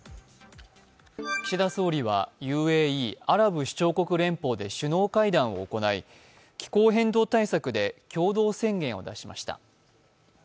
岸田総理は、ＵＡＥ＝アラブ首長国連邦で首脳会談を行い、気候変動対策で共同宣言を出しました。